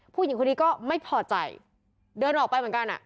ผู้หญิงคนนี้ก็ไม่พอใจเดินออกไปเหมือนกัน